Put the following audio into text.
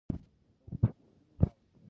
د ولس غوښتنې واورئ